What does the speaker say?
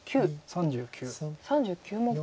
３９目。